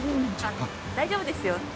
大丈夫ですよ。